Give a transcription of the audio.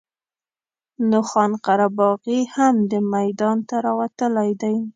نو خان قره باغي هم دې میدان ته راوتلی دی.